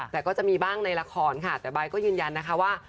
แต่ก็จะมีบ้างในละครไบร์ตก็ยืนยันว่า